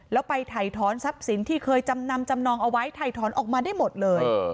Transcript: แล้วไปถ่ายถอนทรัพย์สินที่เคยจำนำจำนองเอาไว้ถ่ายถอนออกมาได้หมดเลย